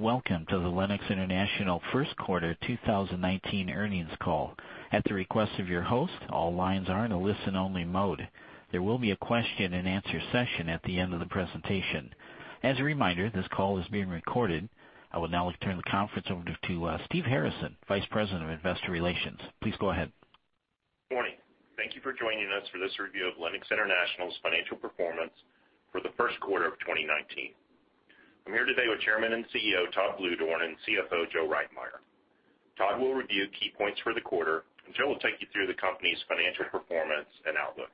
Welcome to the Lennox International first quarter 2019 earnings call. At the request of your host, all lines are in a listen-only mode. There will be a question and answer session at the end of the presentation. As a reminder, this call is being recorded. I would now like to turn the conference over to Steve Harrison, Vice President of Investor Relations. Please go ahead. Morning. Thank you for joining us for this review of Lennox International's financial performance for the first quarter of 2019. I'm here today with Chairman and CEO, Todd Bluedorn, and CFO, Joe Reitmeier. Todd will review key points for the quarter, and Joe will take you through the company's financial performance and outlook.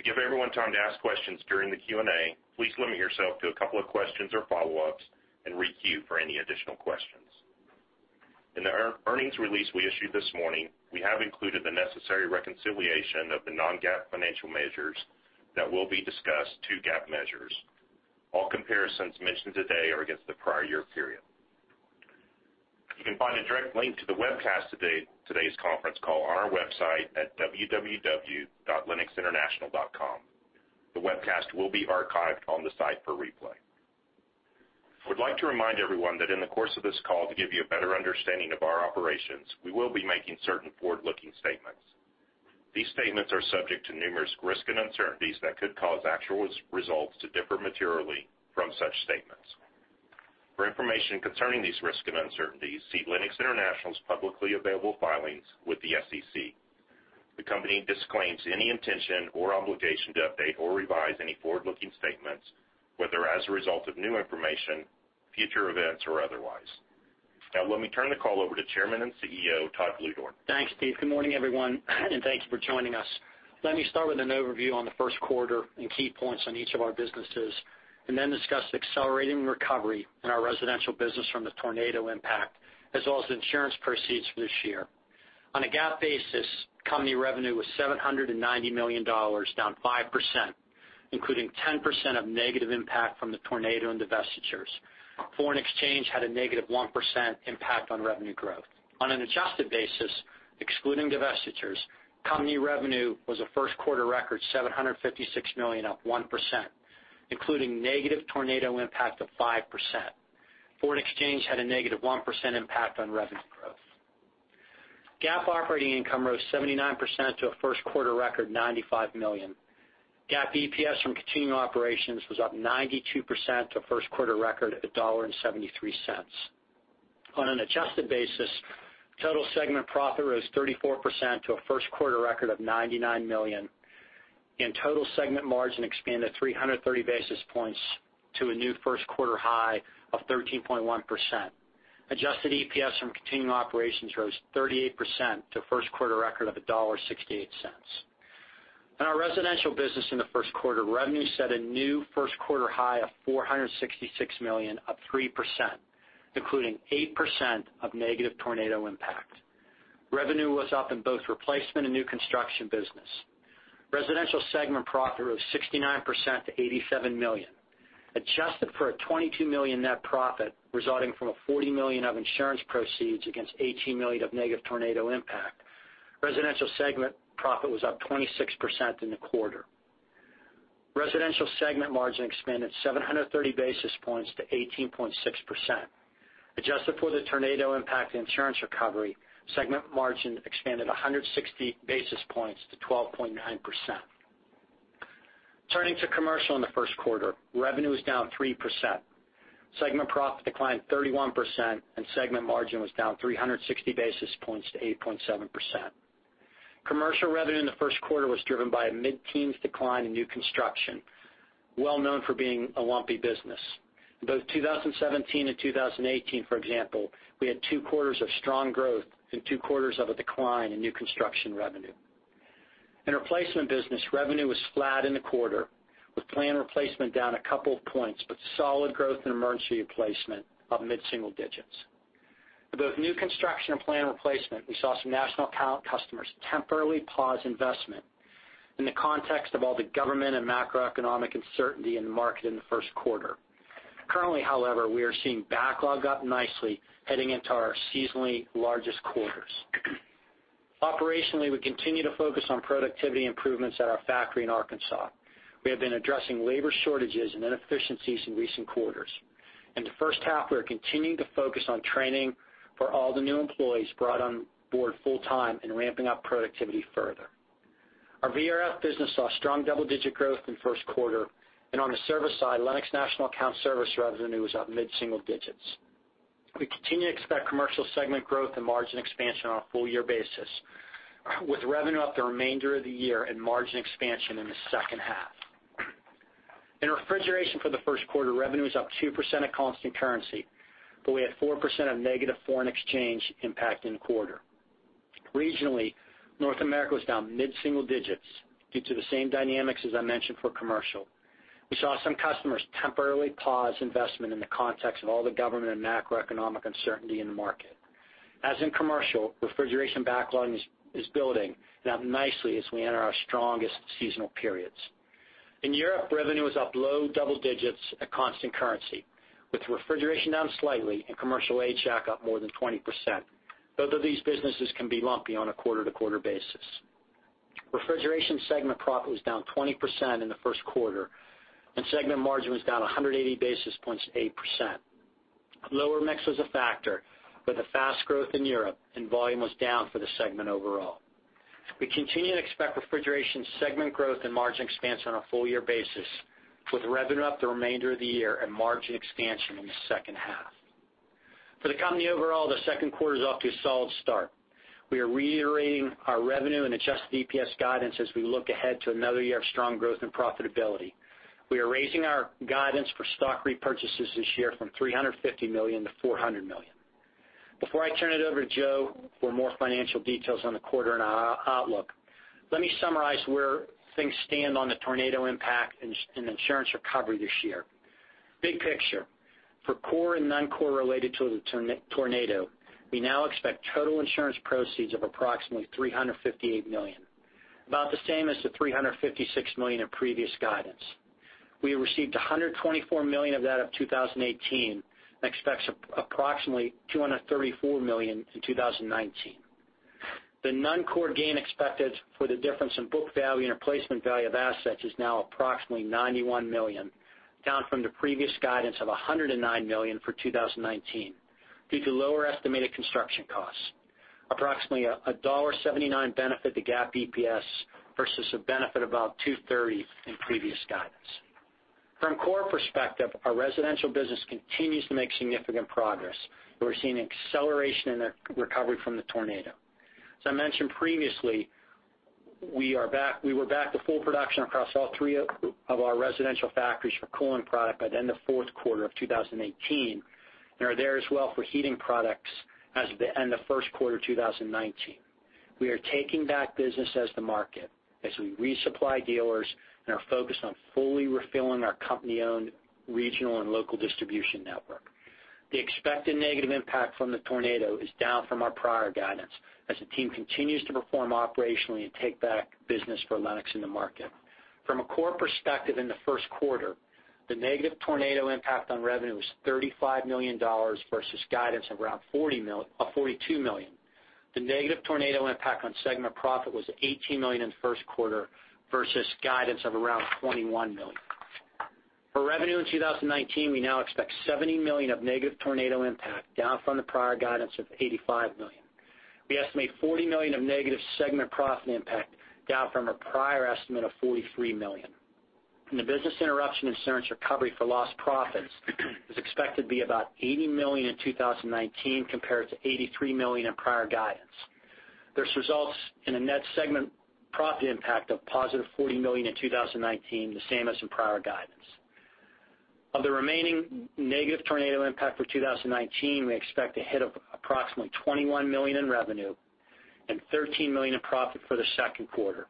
To give everyone time to ask questions during the Q&A, please limit yourself to a couple of questions or follow-ups and re-queue for any additional questions. In the earnings release we issued this morning, we have included the necessary reconciliation of the non-GAAP financial measures that will be discussed to GAAP measures. All comparisons mentioned today are against the prior year period. You can find a direct link to the webcast of today's conference call on our website at www.lennoxinternational.com. The webcast will be archived on the site for replay. I would like to remind everyone that in the course of this call, to give you a better understanding of our operations, we will be making certain forward-looking statements. These statements are subject to numerous risks and uncertainties that could cause actual results to differ materially from such statements. For information concerning these risks and uncertainties, see Lennox International's publicly available filings with the SEC. The company disclaims any intention or obligation to update or revise any forward-looking statements, whether as a result of new information, future events, or otherwise. Let me turn the call over to Chairman and CEO, Todd Bluedorn. Thanks, Steve. Good morning, everyone, and thank you for joining us. Let me start with an overview on the first quarter and key points on each of our businesses, and then discuss the accelerating recovery in our residential business from the tornado impact, as well as insurance proceeds for this year. On a GAAP basis, company revenue was $790 million, down 5%, including 10% of negative impact from the tornado and divestitures. Foreign exchange had a negative 1% impact on revenue growth. On an adjusted basis, excluding divestitures, company revenue was a first quarter record $756 million, up 1%, including negative tornado impact of 5%. Foreign exchange had a negative 1% impact on revenue growth. GAAP operating income rose 79% to a first quarter record $95 million. GAAP EPS from continuing operations was up 92% to first quarter record of $1.73. On an adjusted basis, total segment profit rose 34% to a first quarter record of $99 million. Total segment margin expanded 330 basis points to a new first quarter high of 13.1%. Adjusted EPS from continuing operations rose 38% to first quarter record of $1.68. In our residential business in the first quarter, revenue set a new first quarter high of $466 million, up 3%, including 8% of negative tornado impact. Revenue was up in both replacement and new construction business. Residential segment profit rose 69% to $87 million. Adjusted for a $22 million net profit resulting from a $40 million of insurance proceeds against $18 million of negative tornado impact, residential segment profit was up 26% in the quarter. Residential segment margin expanded 730 basis points to 18.6%. Adjusted for the tornado impact insurance recovery, segment margin expanded 160 basis points to 12.9%. Turning to commercial in the first quarter, revenue was down 3%. Segment profit declined 31%. Segment margin was down 360 basis points to 8.7%. Commercial revenue in the first quarter was driven by a mid-teens decline in new construction, well known for being a lumpy business. In both 2017 and 2018, for example, we had two quarters of strong growth and two quarters of a decline in new construction revenue. In replacement business, revenue was flat in the quarter, with planned replacement down a couple of points, but solid growth in emergency replacement up mid-single digits. In both new construction and planned replacement, we saw some National Account customers temporarily pause investment in the context of all the government and macroeconomic uncertainty in the market in the first quarter. Currently, however, we are seeing backlog up nicely heading into our seasonally largest quarters. Operationally, we continue to focus on productivity improvements at our factory in Arkansas. We have been addressing labor shortages and inefficiencies in recent quarters. In the first half, we are continuing to focus on training for all the new employees brought on board full time and ramping up productivity further. Our VRF business saw strong double-digit growth in the first quarter. On the service side, Lennox National Account Services revenue was up mid-single digits. We continue to expect commercial segment growth and margin expansion on a full year basis, with revenue up the remainder of the year and margin expansion in the second half. In refrigeration for the first quarter, revenue was up 2% at constant currency. We had 4% of negative foreign exchange impact in the quarter. Regionally, North America was down mid-single digits due to the same dynamics as I mentioned for commercial. We saw some customers temporarily pause investment in the context of all the government and macroeconomic uncertainty in the market. As in commercial, refrigeration backlog is building up nicely as we enter our strongest seasonal periods. In Europe, revenue was up low double digits at constant currency, with refrigeration down slightly and commercial HVAC up more than 20%. Both of these businesses can be lumpy on a quarter-to-quarter basis. Refrigeration segment profit was down 20% in the first quarter. Segment margin was down 180 basis points, 8%. Lower mix was a factor with the fast growth in Europe and volume was down for the segment overall. We continue to expect refrigeration segment growth and margin expansion on a full-year basis, with revenue up the remainder of the year and margin expansion in the second half. For the company overall, the second quarter is off to a solid start. We are reiterating our revenue and adjusted EPS guidance as we look ahead to another year of strong growth and profitability. We are raising our guidance for stock repurchases this year from $350 million to $400 million. Before I turn it over to Joe for more financial details on the quarter and our outlook, let me summarize where things stand on the tornado impact and insurance recovery this year. Big picture, for core and non-core related to the tornado, we now expect total insurance proceeds of approximately $358 million, about the same as the $356 million in previous guidance. We have received $124 million of that of 2018, and expect approximately $234 million in 2019. The non-core gain expected for the difference in book value and replacement value of assets is now approximately $91 million, down from the previous guidance of $109 million for 2019 due to lower estimated construction costs. Approximately $1.79 benefit to GAAP EPS versus a benefit of about $2.30 in previous guidance. From core perspective, our residential business continues to make significant progress. We're seeing acceleration in the recovery from the tornado. As I mentioned previously, we were back to full production across all three of our residential factories for cooling product by the end of the fourth quarter of 2018, and are there as well for heating products as of the end of first quarter 2019. We are taking back business as the market as we resupply dealers and are focused on fully refilling our company-owned regional and local distribution network. The expected negative impact from the tornado is down from our prior guidance, as the team continues to perform operationally and take back business for Lennox in the market. From a core perspective in the first quarter, the negative tornado impact on revenue was $35 million versus guidance of around $42 million. The negative tornado impact on segment profit was $18 million in the first quarter versus guidance of around $21 million. For revenue in 2019, we now expect $70 million of negative tornado impact, down from the prior guidance of $85 million. We estimate $40 million of negative segment profit impact, down from a prior estimate of $43 million. The business interruption insurance recovery for lost profits is expected to be about $80 million in 2019, compared to $83 million in prior guidance. This results in a net segment profit impact of positive $40 million in 2019, the same as in prior guidance. Of the remaining negative tornado impact for 2019, we expect a hit of approximately $21 million in revenue and $13 million in profit for the second quarter.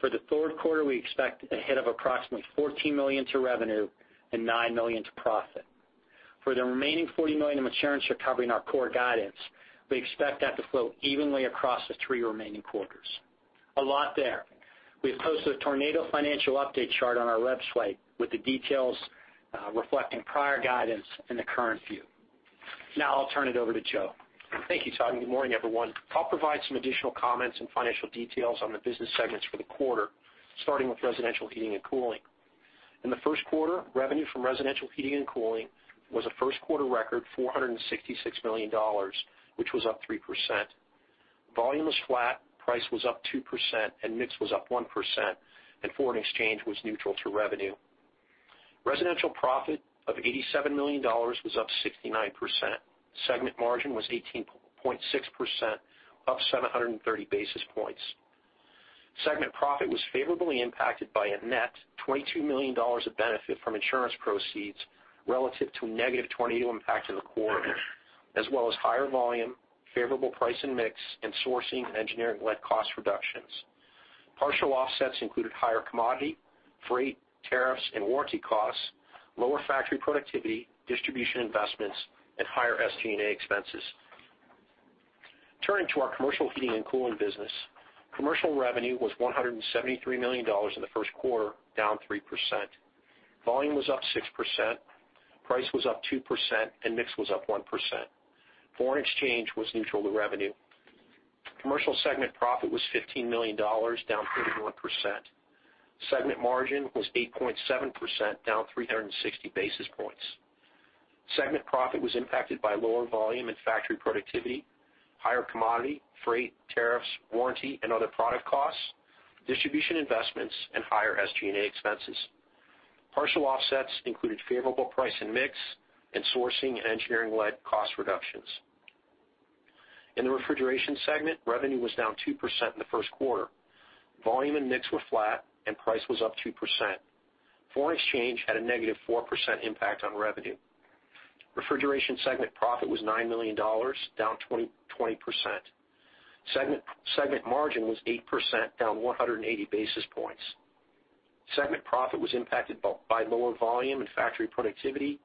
For the third quarter, we expect a hit of approximately $14 million to revenue and $9 million to profit. For the remaining $40 million in insurance recovery in our core guidance, we expect that to flow evenly across the three remaining quarters. A lot there. We have posted a tornado financial update chart on our website with the details reflecting prior guidance and the current view. Now I'll turn it over to Joe. Thank you, Todd, and good morning, everyone. I'll provide some additional comments and financial details on the business segments for the quarter, starting with residential heating and cooling. In the first quarter, revenue from residential heating and cooling was a first quarter record $466 million, which was up 3%. Volume was flat, price was up 2%, and mix was up 1%. Foreign exchange was neutral to revenue. Residential profit of $87 million was up 69%. Segment margin was 18.6%, up 730 basis points. Segment profit was favorably impacted by a net $22 million of benefit from insurance proceeds relative to negative tornado impact in the quarter, as well as higher volume, favorable price and mix, and sourcing and engineering-led cost reductions. Partial offsets included higher commodity, freight, tariffs, and warranty costs, lower factory productivity, distribution investments, and higher SG&A expenses. Turning to our commercial heating and cooling business. Commercial revenue was $173 million in the first quarter, down 3%. Volume was up 6%, price was up 2%, and mix was up 1%. Foreign exchange was neutral to revenue. Commercial segment profit was $15 million, down 31%. Segment margin was 8.7%, down 360 basis points. Segment profit was impacted by lower volume and factory productivity, higher commodity, freight, tariffs, warranty, and other product costs, distribution investments, and higher SG&A expenses. Partial offsets included favorable price and mix and sourcing and engineering-led cost reductions. In the refrigeration segment, revenue was down 2% in the first quarter. Volume and mix were flat, and price was up 2%. Foreign exchange had a negative 4% impact on revenue. Refrigeration segment profit was $9 million, down 20%. Segment margin was 8%, down 180 basis points. Segment profit was impacted by lower volume and factory productivity,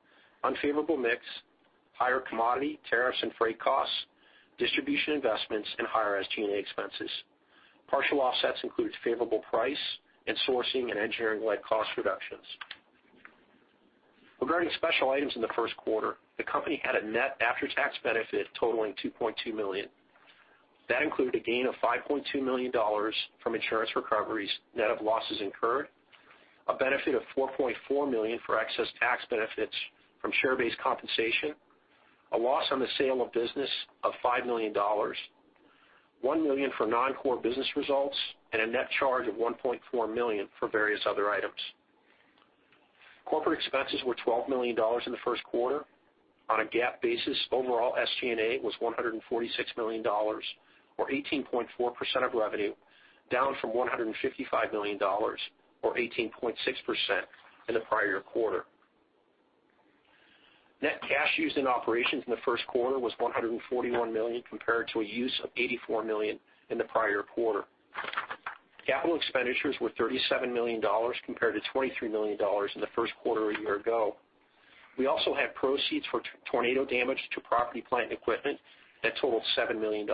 unfavorable mix, higher commodity, tariffs, and freight costs, distribution investments, and higher SG&A expenses. Partial offsets includes favorable price and sourcing and engineering-led cost reductions. Regarding special items in the first quarter, the company had a net after-tax benefit totaling $2.2 million. That included a gain of $5.2 million from insurance recoveries, net of losses incurred, a benefit of $4.4 million for excess tax benefits from share-based compensation, a loss on the sale of business of $5 million, $1 million for non-core business results, and a net charge of $1.4 million for various other items. Corporate expenses were $12 million in the first quarter. On a GAAP basis, overall SG&A was $146 million, or 18.4% of revenue, down from $155 million, or 18.6%, in the prior year quarter. Net cash used in operations in the first quarter was $141 million compared to a use of $84 million in the prior quarter. Capital expenditures were $37 million compared to $23 million in the first quarter a year ago. We also had proceeds for tornado damage to property, plant, and equipment that totaled $7 million.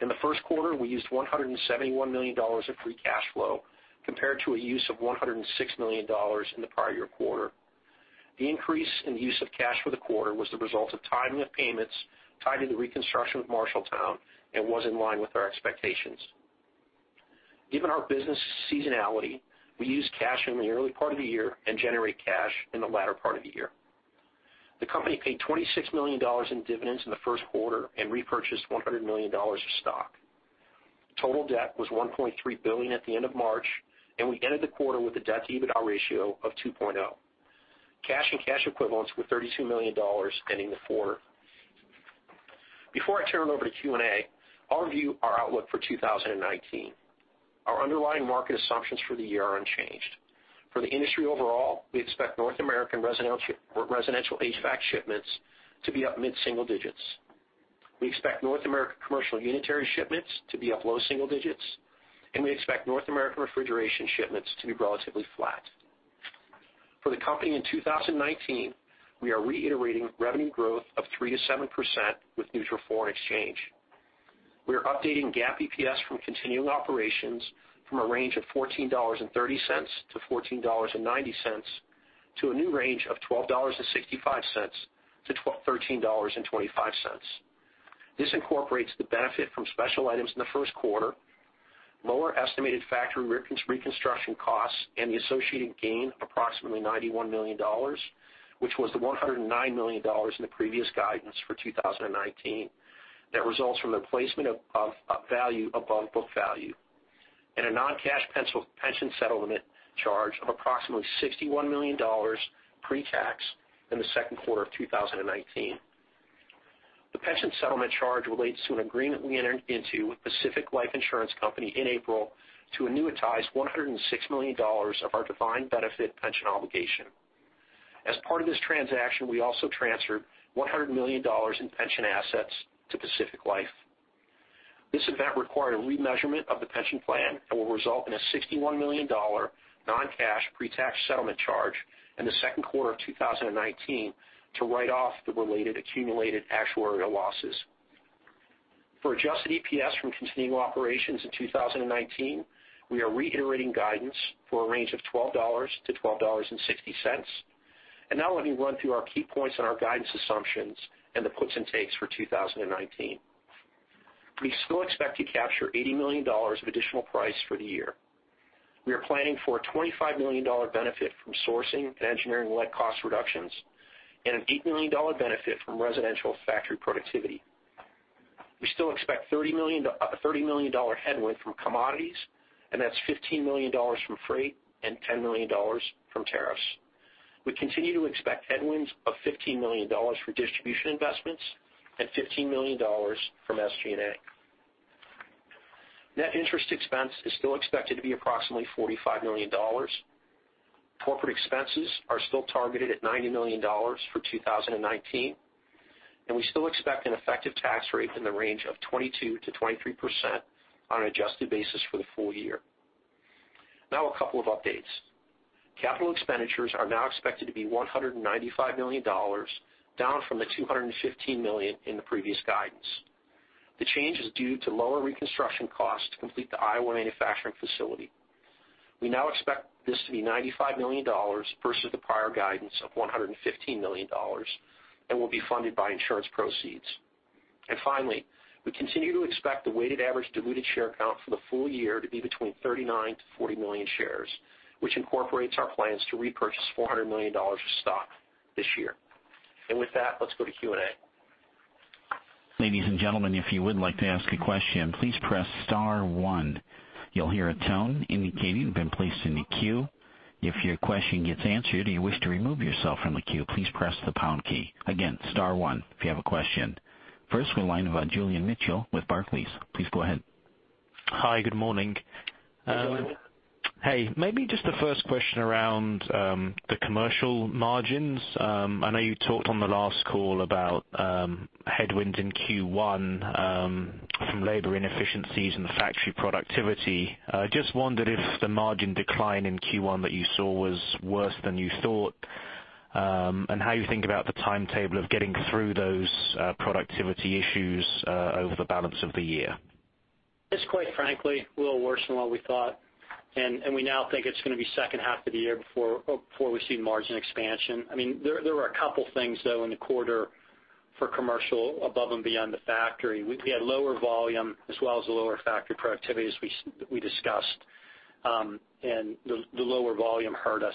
In the first quarter, we used $171 million of free cash flow compared to a use of $106 million in the prior year quarter. The increase in use of cash for the quarter was the result of timing of payments tied to the reconstruction of Marshalltown and was in line with our expectations. Given our business seasonality, we use cash in the early part of the year and generate cash in the latter part of the year. The company paid $26 million in dividends in the first quarter and repurchased $100 million of stock. Total debt was $1.3 billion at the end of March, and we ended the quarter with a debt-to-EBITDA ratio of 2.0. Cash and cash equivalents were $32 million ending the quarter. Before I turn it over to Q&A, I'll review our outlook for 2019. Our underlying market assumptions for the year are unchanged. For the industry overall, we expect North American residential HVAC shipments to be up mid-single digits. We expect North American commercial unitary shipments to be up low single digits, and we expect North American refrigeration shipments to be relatively flat. For the company in 2019, we are reiterating revenue growth of 3%-7% with neutral foreign exchange. We are updating GAAP EPS from continuing operations from a range of $14.30 to $14.90 to a new range of $12.65 to $13.25. This incorporates the benefit from special items in the first quarter, lower estimated factory reconstruction costs, and the associated gain of approximately $91 million, which was the $109 million in the previous guidance for 2019 that results from the placement of value above book value, and a non-cash pension settlement charge of approximately $61 million pre-tax in the second quarter of 2019. The pension settlement charge relates to an agreement we entered into with Pacific Life Insurance Company in April to annuitize $106 million of our defined benefit pension obligation. As part of this transaction, we also transferred $100 million in pension assets to Pacific Life. This event required a remeasurement of the pension plan and will result in a $61 million non-cash pre-tax settlement charge in the second quarter of 2019 to write off the related accumulated actuarial losses. For adjusted EPS from continuing operations in 2019, we are reiterating guidance for a range of $12 to $12.60. Now let me run through our key points on our guidance assumptions and the puts and takes for 2019. We still expect to capture $80 million of additional price for the year. We are planning for a $25 million benefit from sourcing and engineering-led cost reductions and an $8 million benefit from residential factory productivity. We still expect a $30 million headwind from commodities, and that's $15 million from freight and $10 million from tariffs. We continue to expect headwinds of $15 million for distribution investments and $15 million from SG&A. Net interest expense is still expected to be approximately $45 million. Corporate expenses are still targeted at $90 million for 2019, and we still expect an effective tax rate in the range of 22%-23% on an adjusted basis for the full year. Now a couple of updates. Capital expenditures are now expected to be $195 million, down from the $215 million in the previous guidance. The change is due to lower reconstruction costs to complete the Iowa manufacturing facility. We now expect this to be $95 million versus the prior guidance of $115 million and will be funded by insurance proceeds. Finally, we continue to expect the weighted average diluted share count for the full year to be between 39 to 40 million shares, which incorporates our plans to repurchase $400 million of stock this year. With that, let's go to Q&A. Ladies and gentlemen, if you would like to ask a question, please press *1. You'll hear a tone indicating you've been placed in the queue. If your question gets answered or you wish to remove yourself from the queue, please press the # key. Again, *1 if you have a question. First, we have Julian Mitchell with Barclays. Please go ahead. Hi. Good morning. Hey, maybe just the first question around the commercial margins. I know you talked on the last call about headwinds in Q1 from labor inefficiencies and factory productivity. I just wondered if the margin decline in Q1 that you saw was worse than you thought, and how you think about the timetable of getting through those productivity issues over the balance of the year. It's quite frankly, a little worse than what we thought, and we now think it's going to be second half of the year before we see margin expansion. There were 2 things, though, in the quarter for commercial above and beyond the factory. We had lower volume as well as the lower factory productivity, as we discussed. The lower volume hurt us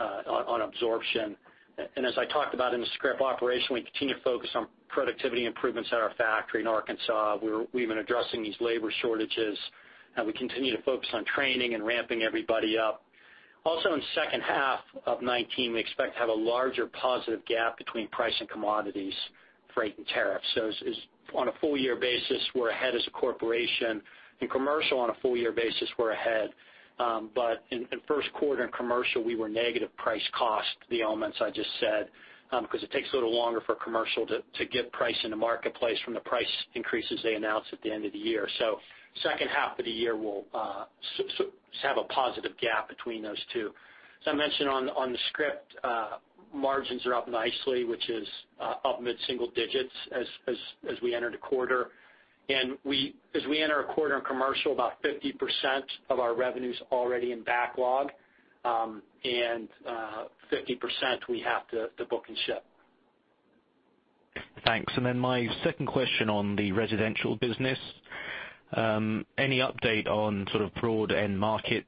on absorption. As I talked about in the script operation, we continue to focus on productivity improvements at our factory in Arkansas. We've been addressing these labor shortages, and we continue to focus on training and ramping everybody up. Also, in second half of 2019, we expect to have a larger positive gap between price and commodities, freight, and tariffs. On a full year basis, we're ahead as a corporation. In commercial on a full year basis, we're ahead. In first quarter in commercial, we were negative price cost, the elements I just said, because it takes a little longer for commercial to get price in the marketplace from the price increases they announce at the end of the year. Second half of the year will have a positive gap between those 2. As I mentioned on the script, margins are up nicely, which is up mid-single digits as we enter the quarter. As we enter a quarter in commercial, about 50% of our revenue's already in backlog, and 50% we have to book and ship. Thanks. My second question on the residential business. Any update on sort of broad end market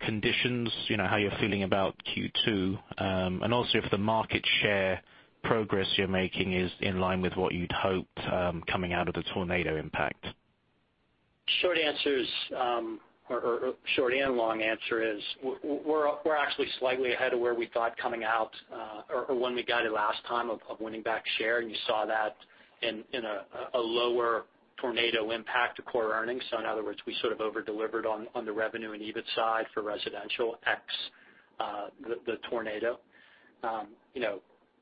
conditions, how you're feeling about Q2, and also if the market share progress you're making is in line with what you'd hoped coming out of the tornado impact? Short and long answer is we're actually slightly ahead of where we thought coming out, or when we guided last time of winning back share, and you saw that in a lower tornado impact to core earnings. In other words, we sort of over-delivered on the revenue and EBIT side for residential ex the tornado.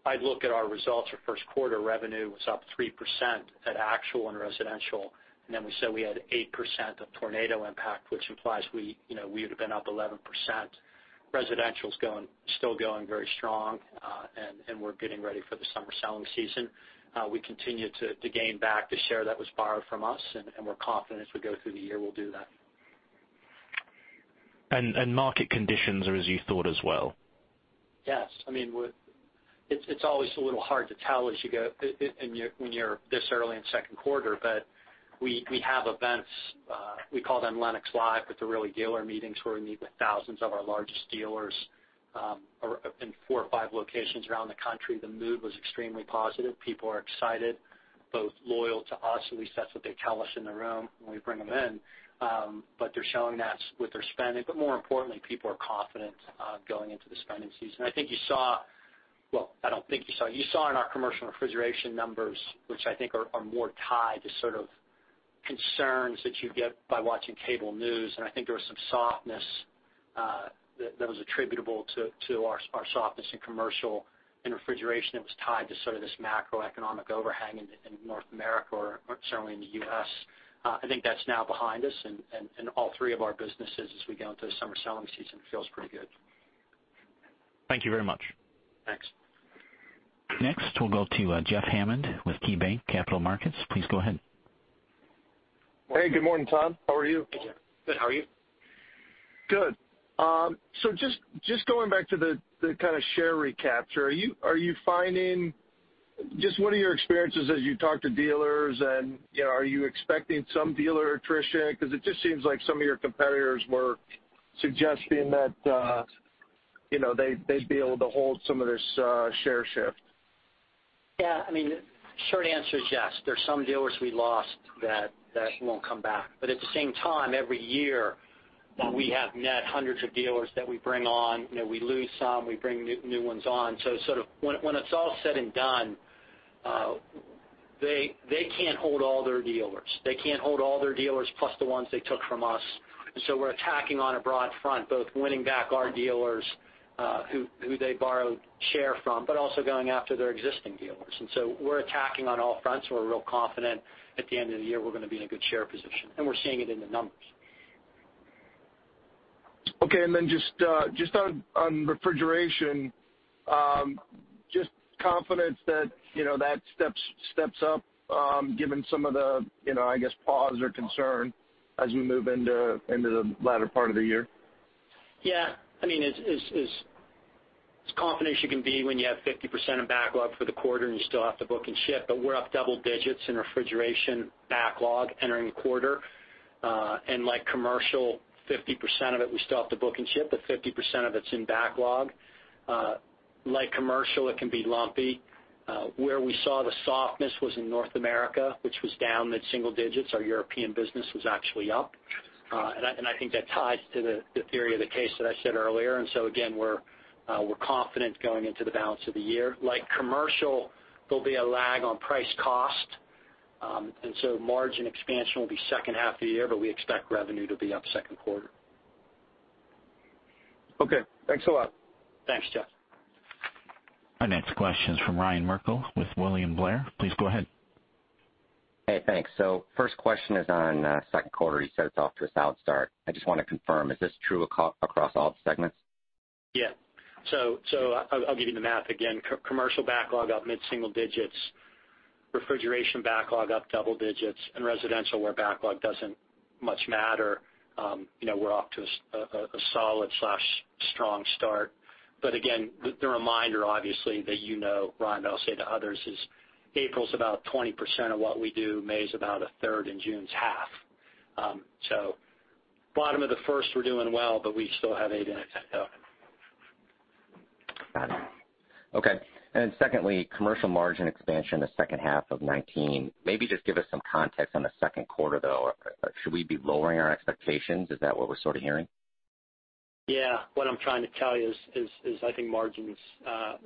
I'd look at our results for first quarter revenue was up 3% at actual in residential, and then we said we had 8% of tornado impact, which implies we would've been up 11%. Residential's still going very strong, and we're getting ready for the summer selling season. We continue to gain back the share that was borrowed from us, and we're confident as we go through the year we'll do that. Market conditions are as you thought as well? Yes. It's always a little hard to tell when you're this early in second quarter, but we have events, we call them Lennox LIVE, but they're really dealer meetings where we meet with thousands of our largest dealers in four or five locations around the country. The mood was extremely positive. People are excited, both loyal to us, at least that's what they tell us in the room when we bring them in. They're showing that with their spending. More importantly, people are confident going into the spending season. You saw in our commercial refrigeration numbers, which I think are more tied to sort of concerns that you get by watching cable news. I think there was some softness that was attributable to our softness in commercial and refrigeration that was tied to sort of this macroeconomic overhang in North America or certainly in the U.S. I think that's now behind us. All three of our businesses as we go into the summer selling season feels pretty good. Thank you very much. Thanks. We'll go to Jeff Hammond with KeyBanc Capital Markets. Please go ahead. Hey. Good morning, Todd. How are you? Good. How are you? Good. Just going back to the kind of share recapture. Just what are your experiences as you talk to dealers, and are you expecting some dealer attrition? It just seems like some of your competitors were suggesting that they'd be able to hold some of this share shift. Yeah. Short answer is yes. There's some dealers we lost that won't come back. At the same time, every year we have net hundreds of dealers that we bring on. We lose some, we bring new ones on. When it's all said and done, they can't hold all their dealers. They can't hold all their dealers plus the ones they took from us. We're attacking on a broad front, both winning back our dealers who they borrowed share from, but also going after their existing dealers. We're attacking on all fronts. We're real confident at the end of the year we're going to be in a good share position, and we're seeing it in the numbers. Okay. Just on refrigeration, just confidence that steps up given some of the, I guess, pause or concern as we move into the latter part of the year? Yeah. As confident as you can be when you have 50% of backlog for the quarter and you still have to book and ship, we're up double digits in refrigeration backlog entering the quarter. Like commercial, 50% of it we still have to book and ship, 50% of it's in backlog. Like commercial, it can be lumpy. Where we saw the softness was in North America, which was down mid-single digits. Our European business was actually up. I think that ties to the theory of the case that I said earlier. Again, we're confident going into the balance of the year. Like commercial, there'll be a lag on price cost. Margin expansion will be second half of the year, we expect revenue to be up second quarter. Okay. Thanks a lot. Thanks, Jeff. Our next question is from Ryan Merkel with William Blair. Please go ahead. Hey, thanks. First question is on second quarter. You said it is off to a solid start. I just want to confirm, is this true across all the segments? Yeah. I'll give you the math again. Commercial backlog up mid-single digits. Refrigeration backlog up double digits, and residential, where backlog doesn't much matter. We are off to a solid/strong start. Again, the reminder, obviously, that you know, Ryan, but I'll say to others is April's about 20% of what we do. May is about a third, and June's half. Bottom of the first, we are doing well, but we still have eight innings left though. Got it. Okay. Secondly, commercial margin expansion the second half of 2019. Maybe just give us some context on the second quarter. Should we be lowering our expectations? Is that what we're sort of hearing? Yeah. What I'm trying to tell you is I think I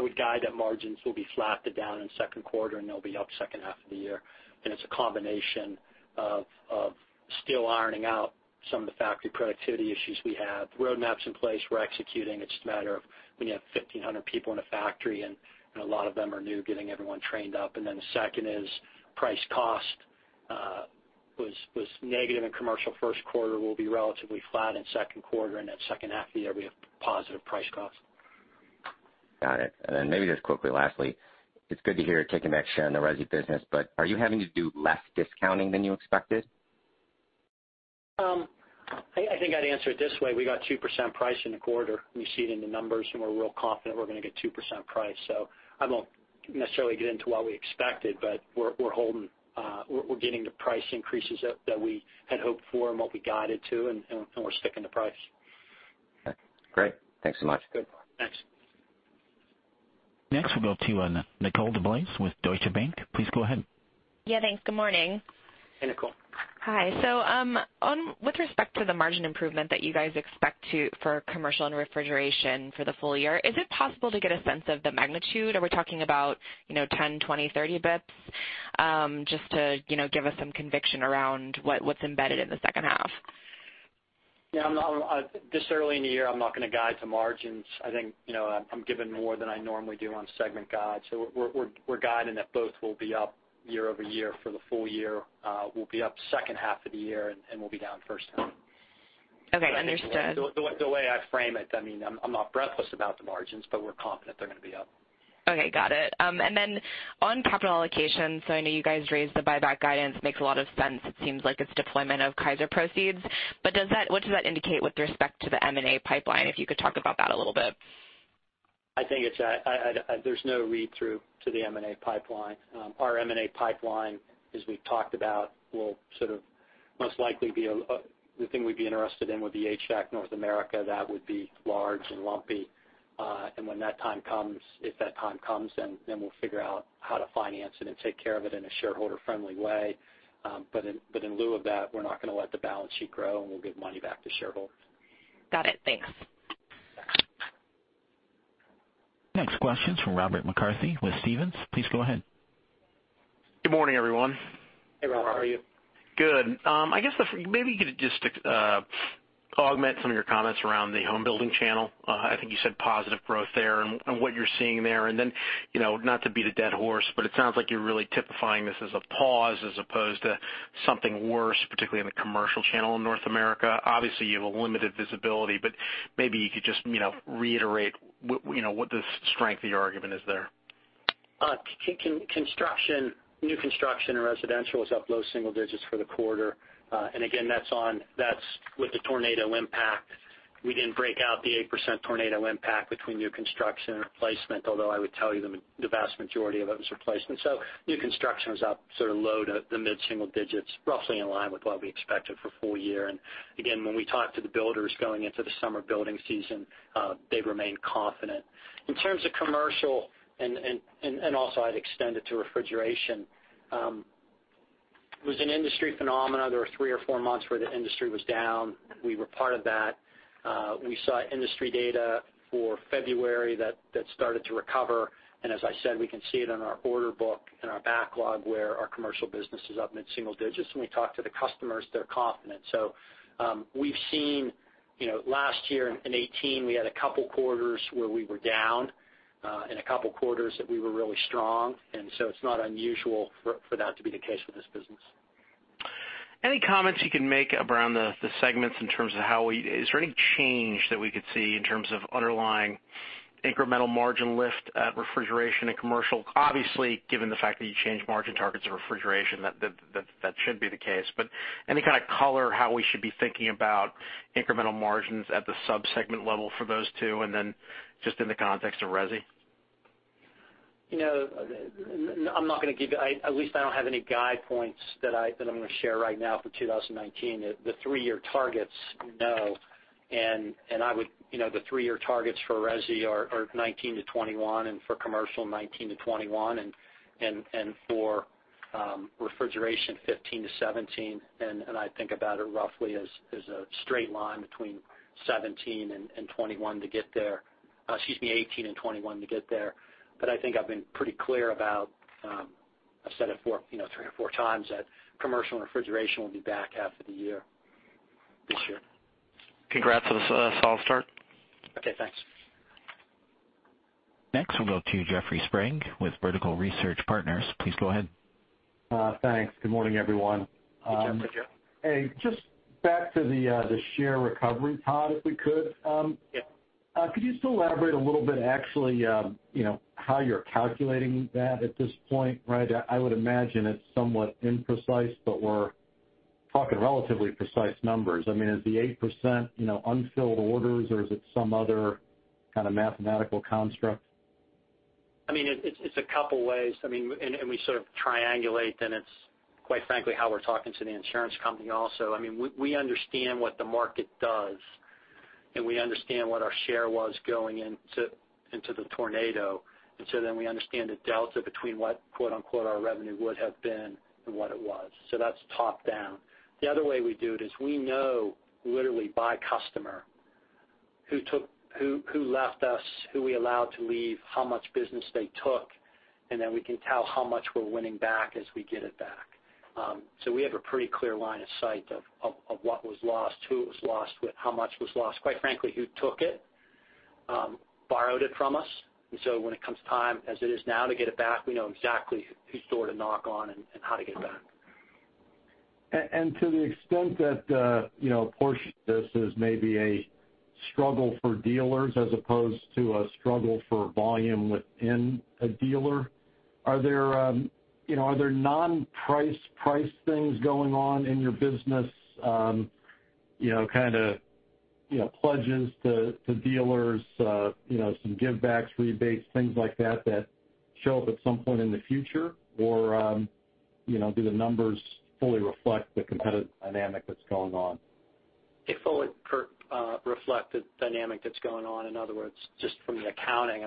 would guide that margins will be flat to down in the second quarter, and they'll be up second half of the year. It's a combination of still ironing out some of the factory productivity issues we have. The roadmap's in place. We're executing. It's just a matter of when you have 1,500 people in a factory, and a lot of them are new, getting everyone trained up. The second is price cost was negative in commercial first quarter, will be relatively flat in second quarter. Second half of the year, we have positive price cost. Got it. Maybe just quickly, lastly, it's good to hear you're taking back share in the resi business, are you having to do less discounting than you expected? I think I'd answer it this way. We got 2% price in the quarter. We see it in the numbers, and we're real confident we're going to get 2% price. I won't necessarily get into what we expected, we're getting the price increases that we had hoped for and what we guided to, and we're sticking to price. Okay, great. Thanks so much. Good. Thanks. Next, we'll go to Nicole DeBlase with Deutsche Bank. Please go ahead. Yeah, thanks. Good morning. Hey, Nicole. Hi. With respect to the margin improvement that you guys expect for commercial and refrigeration for the full year, is it possible to get a sense of the magnitude? Are we talking about 10, 20, 30 basis points? Just to give us some conviction around what's embedded in the second half. Yeah, this early in the year, I'm not going to guide to margins. I think I'm giving more than I normally do on segment guides. We're guiding that both will be up year-over-year for the full year. We'll be up second half of the year, and we'll be down first half. Okay. Understood. The way I frame it, I'm not breathless about the margins, but we're confident they're going to be up. Okay, got it. Then on capital allocation, I know you guys raised the buyback guidance. Makes a lot of sense. It seems like it's deployment of Kysor proceeds. What does that indicate with respect to the M&A pipeline, if you could talk about that a little bit? I think there's no read-through to the M&A pipeline. Our M&A pipeline, as we've talked about, the thing we'd be interested in would be HVAC North America. That would be large and lumpy. When that time comes, if that time comes, then we'll figure out how to finance it and take care of it in a shareholder-friendly way. In lieu of that, we're not going to let the balance sheet grow, and we'll give money back to shareholders. Got it. Thanks. Thanks. Next question's from Robert McCarthy with Stephens. Please go ahead. Good morning, everyone. Hey, Rob. How are you? Good. I guess maybe you could just augment some of your comments around the home building channel. I think you said positive growth there and what you're seeing there. Then, not to beat a dead horse, but it sounds like you're really typifying this as a pause as opposed to something worse, particularly in the commercial channel in North America. Obviously, you have a limited visibility, but maybe you could just reiterate what the strength of your argument is there. New construction and residential is up low single digits for the quarter. Again, that's with the tornado impact. We didn't break out the 8% tornado impact between new construction and replacement, although I would tell you the vast majority of it was replacement. New construction was up sort of low to the mid-single digits, roughly in line with what we expected for full year. Again, when we talked to the builders going into the summer building season, they remained confident. In terms of commercial and also I'd extend it to refrigeration. It was an industry phenomenon. There were three or four months where the industry was down. We were part of that. We saw industry data for February that started to recover. As I said, we can see it in our order book and our backlog where our commercial business is up mid-single digits. We talk to the customers, they're confident. We've seen last year in 2018, we had a couple of quarters where we were down and a couple of quarters that we were really strong. It's not unusual for that to be the case with this business. Any comments you can make around the segments in terms of is there any change that we could see in terms of underlying incremental margin lift at refrigeration and commercial? Obviously, given the fact that you changed margin targets of refrigeration, that should be the case. Any kind of color how we should be thinking about incremental margins at the sub-segment level for those two, and then just in the context of resi? I'm not going to at least I don't have any guide points that I'm going to share right now for 2019. The three-year targets, no. The three-year targets for resi are 2019 to 2021, and for commercial 2019 to 2021, and for refrigeration 2015 to 2017. I think about it roughly as a straight line between 2017 and 2021 to get there. Excuse me, 2018 and 2021 to get there. I think I've been pretty clear about, I've said it three or four times, that commercial and refrigeration will be back half of the year this year. Congrats on the solid start. Okay, thanks. We'll go to Jeffrey Sprague with Vertical Research Partners. Please go ahead. Thanks. Good morning, everyone. Hey, Jeffrey. Hey, just back to the share recovery, Todd, if we could. Yeah. Could you still elaborate a little bit actually how you're calculating that at this point, right? I would imagine it's somewhat imprecise, but we're talking relatively precise numbers. Is the 8% unfilled orders, or is it some other kind of mathematical construct? It's a couple ways, and we sort of triangulate then it's, quite frankly, how we're talking to the insurance company also. We understand what the market does, and we understand what our share was going into the tornado. We understand the delta between what quote-unquote, "our revenue would have been," and what it was. That's top-down. The other way we do it is we know literally by customer who left us, who we allowed to leave, how much business they took, and then we can tell how much we're winning back as we get it back. We have a pretty clear line of sight of what was lost, who it was lost with, how much was lost. Quite frankly, who took it, borrowed it from us. When it comes time as it is now to get it back, we know exactly whose door to knock on and how to get it back. To the extent that a portion of this is maybe a struggle for dealers as opposed to a struggle for volume within a dealer, are there non-price things going on in your business? Kind of pledges to dealers, some give backs, rebates, things like that show up at some point in the future, or do the numbers fully reflect the competitive dynamic that's going on? They fully reflect the dynamic that's going on. In other words, just from the accounting,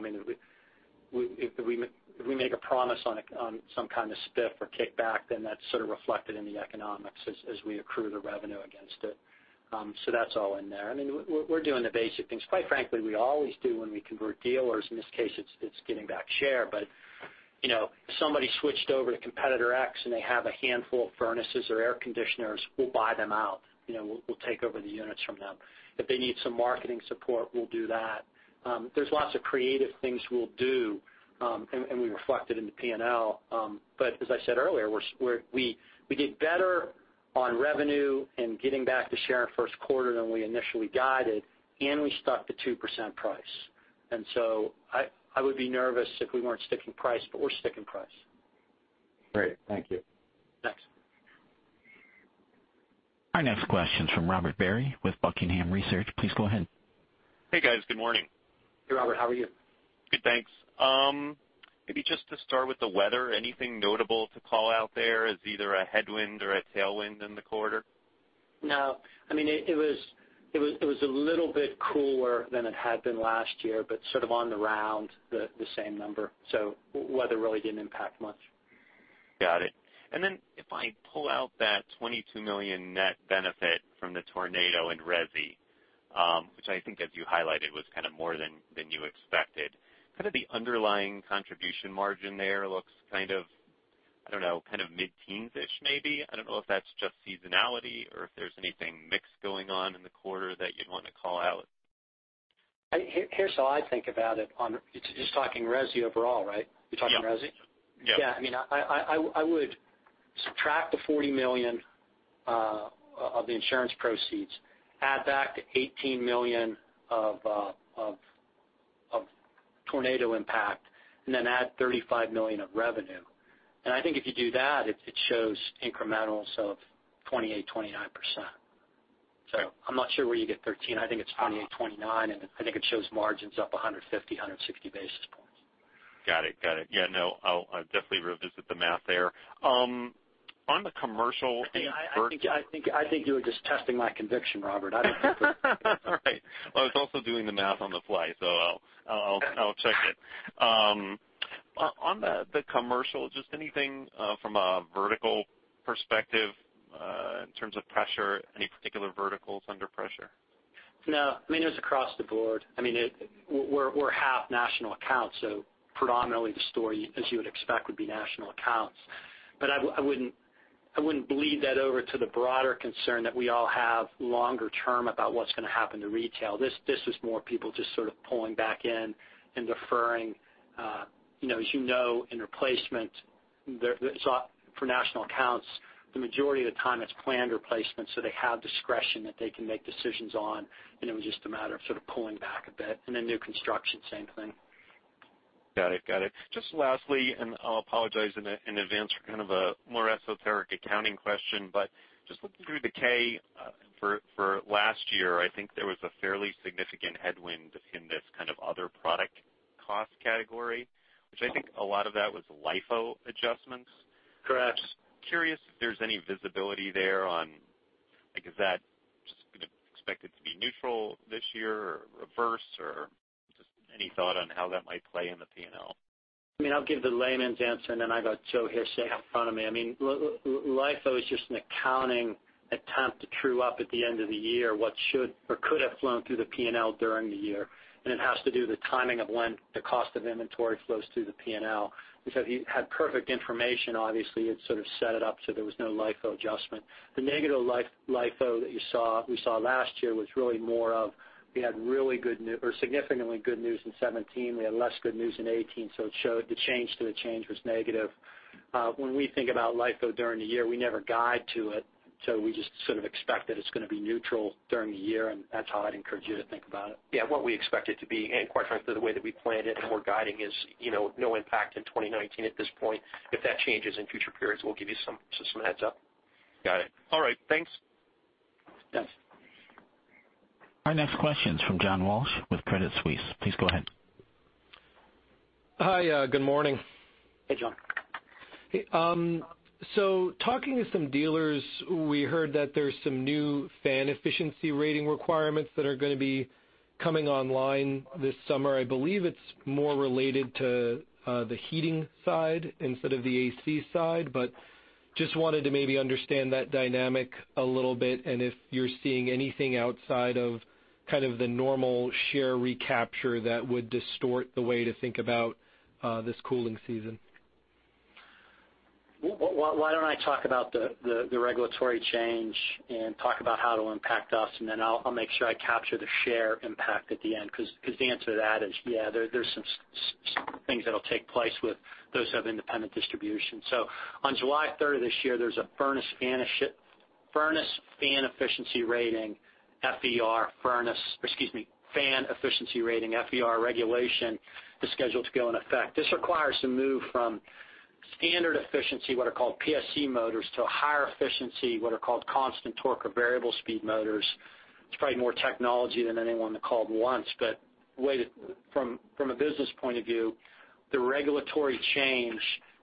if we make a promise on some kind of spiff or kickback, then that's sort of reflected in the economics as we accrue the revenue against it. That's all in there. We're doing the basic things. Quite frankly, we always do when we convert dealers. In this case, it's getting back share. If somebody switched over to competitor X and they have a handful of furnaces or air conditioners, we'll buy them out. We'll take over the units from them. If they need some marketing support, we'll do that. There's lots of creative things we'll do, and we reflect it in the P&L. As I said earlier, we did better on revenue and getting back the share in first quarter than we initially guided, and we stuck to 2% price. I would be nervous if we weren't sticking price, but we're sticking price. Great. Thank you. Thanks. Our next question's from Robert Barry with Buckingham Research. Please go ahead. Hey, guys. Good morning. Hey, Robert. How are you? Good, thanks. Maybe just to start with the weather, anything notable to call out there as either a headwind or a tailwind in the quarter? No. It was a little bit cooler than it had been last year, on the round, the same number. Weather really didn't impact much. Got it. If I pull out that $22 million net benefit from the tornado in resi, which I think as you highlighted, was kind of more than you expected. The underlying contribution margin there looks kind of, I don't know, mid-teens-ish maybe. I don't know if that's just seasonality or if there's anything mix going on in the quarter that you'd want to call out. Here's how I think about it. It's just talking resi overall, right? You're talking resi? Yeah. Yeah. I would subtract the $40 million of the insurance proceeds, add back the $18 million of tornado impact, and then add $35 million of revenue. I think if you do that, it shows incrementals of 28%, 29%. I'm not sure where you get 13. I think it's 28%, 29%, and I think it shows margins up 150, 160 basis points. Got it. Yeah, no, I'll definitely revisit the math there. On the commercial- Hey, I think you were just testing my conviction, Robert. I don't think there's Right. Well, I was also doing the math on the fly, so I'll check it. On the commercial, just anything from a vertical perspective in terms of pressure, any particular verticals under pressure? No, it was across the board. We're half national accounts, so predominantly the story as you would expect, would be national accounts. I wouldn't bleed that over to the broader concern that we all have longer term about what's going to happen to retail. This is more people just sort of pulling back in and deferring. As you know, in replacement, for national accounts, the majority of the time it's planned replacement, so they have discretion that they can make decisions on, and it was just a matter of sort of pulling back a bit. New construction, same thing. Got it. Just lastly, and I'll apologize in advance for kind of a more esoteric accounting question, but just looking through the K for last year, I think there was a fairly significant headwind in this kind of other product cost category. Which I think a lot of that was LIFO adjustments. Correct. Curious if there's any visibility there on, is that just going to expect it to be neutral this year or reverse or just any thought on how that might play in the P&L? I'll give the layman's answer, and then I got Joe Reitmeier in front of me. LIFO is just an accounting attempt to true up at the end of the year what should or could have flown through the P&L during the year. It has to do with the timing of when the cost of inventory flows through the P&L. If you had perfect information, obviously, you'd sort of set it up so there was no LIFO adjustment. The negative LIFO that we saw last year was really more of. We had really good news or significantly good news in 2017. We had less good news in 2018, so it showed the change to the change was negative. When we think about LIFO during the year, we never guide to it, we just sort of expect that it's going to be neutral during the year, that's how I'd encourage you to think about it. Yeah. What we expect it to be, quite frankly, the way that we planned it and we're guiding is no impact in 2019 at this point. If that changes in future periods, we'll give you some heads up. Got it. All right. Thanks. Yes. Our next question is from John Walsh with Credit Suisse. Please go ahead. Hi. Good morning. Hey, John. Talking to some dealers, we heard that there's some new fan efficiency rating requirements that are going to be coming online this summer. I believe it's more related to the heating side instead of the AC side, but just wanted to maybe understand that dynamic a little bit and if you're seeing anything outside of kind of the normal share recapture that would distort the way to think about this cooling season. Why don't I talk about the regulatory change and talk about how it'll impact us, then I'll make sure I capture the share impact at the end, because the answer to that is, yeah, there's some things that'll take place with those who have independent distribution. On July 3rd of this year, there's a furnace fan efficiency rating, FER regulation is scheduled to go in effect. This requires a move from standard efficiency, what are called PSC motors, to a higher efficiency, what are called constant torque or variable speed motors. It's probably more technology than anyone would've called once, but from a business point of view, the regulatory change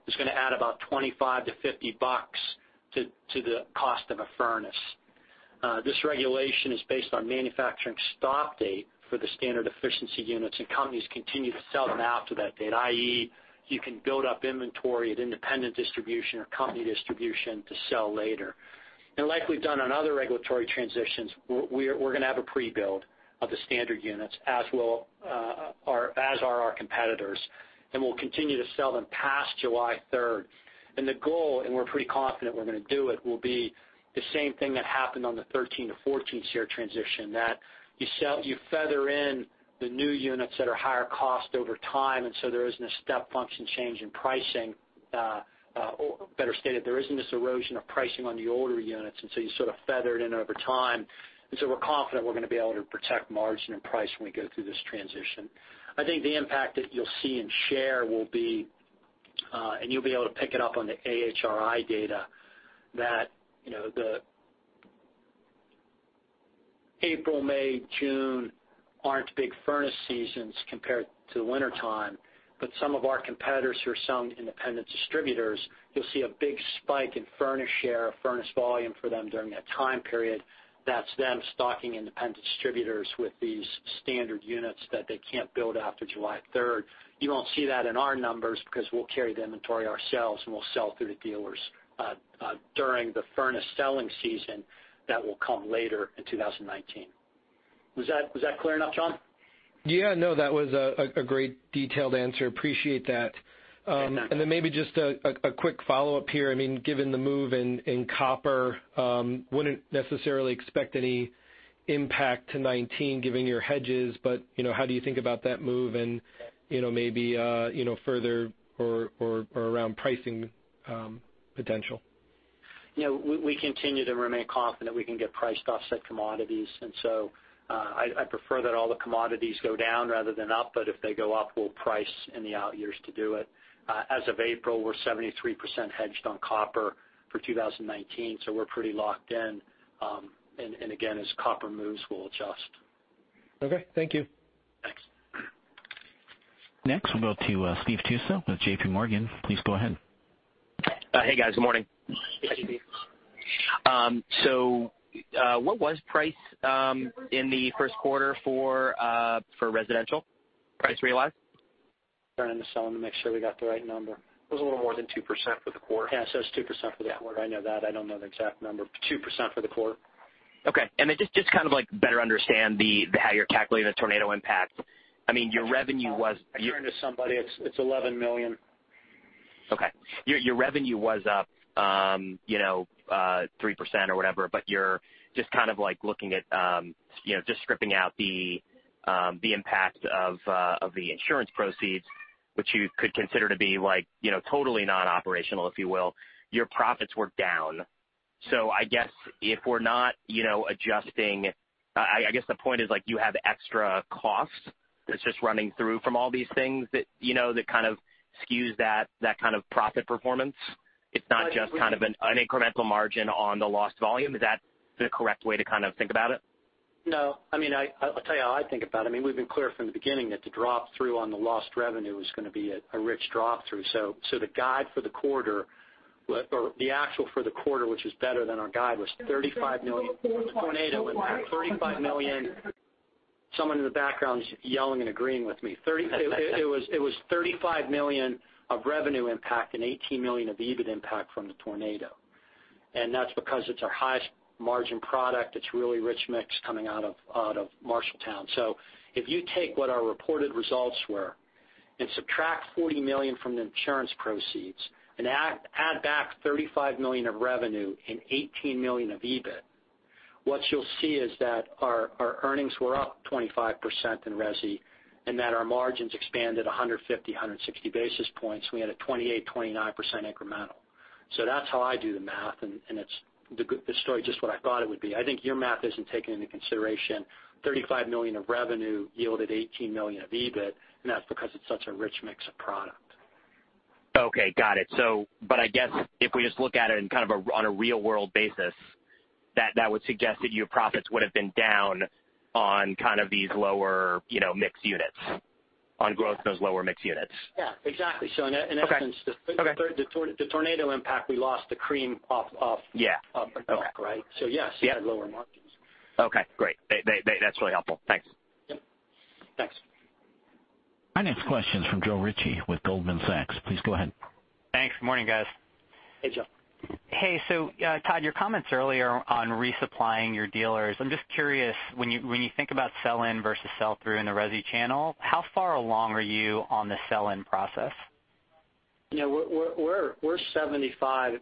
is going to add about $25 to $50 to the cost of a furnace. This regulation is based on manufacturing stop date for the standard efficiency units, and companies continue to sell them after that date, i.e., you can build up inventory at independent distribution or company distribution to sell later. Like we've done on other regulatory transitions, we're going to have a pre-build of the standard units, as are our competitors, and we'll continue to sell them past July 3rd. The goal, and we're pretty confident we're going to do it, will be the same thing that happened on the 2013 to 2014 SEER transition, that you feather in the new units that are higher cost over time, there isn't a step function change in pricing. Better stated, there isn't this erosion of pricing on the older units, you sort of feather it in over time. We're confident we're going to be able to protect margin and price when we go through this transition. I think the impact that you'll see in share will be, and you'll be able to pick it up on the AHRI data, that the April, May, June aren't big furnace seasons compared to the wintertime. Some of our competitors who are selling to independent distributors, you'll see a big spike in furnace share or furnace volume for them during that time period. That's them stocking independent distributors with these standard units that they can't build after July 3rd. You won't see that in our numbers because we'll carry the inventory ourselves, and we'll sell through the dealers during the furnace selling season that will come later in 2019. Was that clear enough, John? Yeah. No, that was a great detailed answer. Appreciate that. Yeah. No. Maybe just a quick follow-up here. Given the move in copper, wouldn't necessarily expect any impact to 2019 given your hedges, but how do you think about that move and maybe further or around pricing potential? We continue to remain confident we can get priced offset commodities. I prefer that all the commodities go down rather than up. If they go up, we'll price in the out years to do it. As of April, we're 73% hedged on copper for 2019, so we're pretty locked in. Again, as copper moves, we'll adjust. Okay. Thank you. Thanks. We'll go to Steve Tusa with J.P. Morgan. Please go ahead. Hey, guys. Good morning. Hey, Steve. What was price in the first quarter for residential? Price realized. Turning to someone to make sure we got the right number. It was a little more than 2% for the quarter. Yeah, it's 2% for the quarter. Yeah. I know that. I don't know the exact number. 2% for the quarter. Okay. Just to kind of better understand how you're calculating the tornado impact. Your revenue was- I turn to somebody. It's $11 million. Okay. Your revenue was up 3% or whatever, you're just kind of looking at just stripping out the impact of the insurance proceeds, which you could consider to be totally non-operational, if you will. Your profits were down. I guess if we're not adjusting I guess the point is you have extra costs that's just running through from all these things that kind of skews that kind of profit performance. It's not just kind of an incremental margin on the lost volume. Is that the correct way to kind of think about it? No. I'll tell you how I think about it. We've been clear from the beginning that the drop-through on the lost revenue was going to be a rich drop-through. The guide for the quarter or the actual for the quarter, which is better than our guide, was $35 million with the tornado impact. $35 million. Someone in the background is yelling and agreeing with me. It was $35 million of revenue impact and $18 million of EBIT impact from the tornado. That's because it's our highest margin product. It's really rich mix coming out of Marshalltown. If you take what our reported results were and subtract $40 million from the insurance proceeds and add back $35 million of revenue and $18 million of EBIT. What you'll see is that our earnings were up 25% in resi, and that our margins expanded 150, 160 basis points. We had a 28%, 29% incremental. That's how I do the math, and the story is just what I thought it would be. I think your math isn't taking into consideration $35 million of revenue yielded $18 million of EBIT, and that's because it's such a rich mix of product. Okay, got it. I guess if we just look at it on a real-world basis, that would suggest that your profits would have been down on these lower-mixed units, on growth in those lower-mixed units. Yeah, exactly. Okay. In essence, the tornado impact, we lost the cream off the top, right? Yeah. Okay. Yes, we had lower margins. Okay, great. That's really helpful. Thanks. Yep. Thanks. Our next question is from Joe Ritchie with Goldman Sachs. Please go ahead. Thanks. Morning, guys. Hey, Joe. Hey. Todd, your comments earlier on resupplying your dealers. I'm just curious, when you think about sell-in versus sell-through in the resi channel, how far along are you on the sell-in process? We're 75%-80%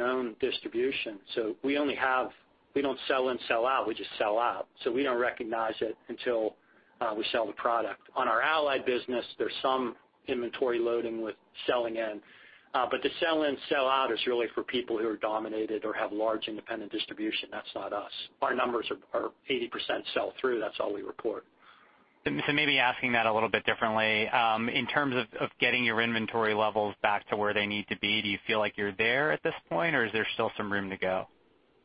owned distribution. We don't sell in, sell out. We just sell out. We don't recognize it until we sell the product. On our Allied business, there's some inventory loading with selling in. The sell in, sell out is really for people who are dominated or have large independent distribution. That's not us. Our numbers are 80% sell through. That's all we report. Maybe asking that a little bit differently. In terms of getting your inventory levels back to where they need to be, do you feel like you're there at this point, or is there still some room to go?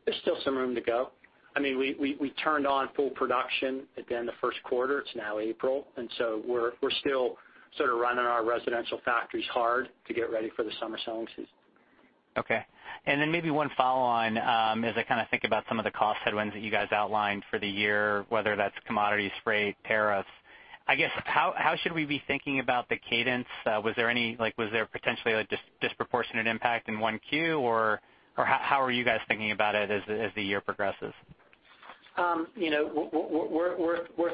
There's still some room to go. We turned on full production at the end of the first quarter. It's now April, we're still sort of running our residential factories hard to get ready for the summer selling season. Okay. Maybe one follow-on, as I kind of think about some of the cost headwinds that you guys outlined for the year, whether that's commodities, freight, tariffs. I guess, how should we be thinking about the cadence? Was there potentially a disproportionate impact in one Q, or how are you guys thinking about it as the year progresses? We're